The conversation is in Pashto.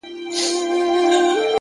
شــاعــر دمـيـني ومه درد تــه راغــلـم،